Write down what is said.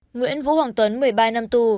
nguyễn vũ hoàng tuấn một mươi ba năm tù